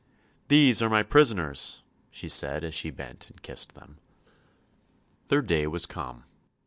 "These are my prisoners," she said, as she bent and kissed them. Their day was come.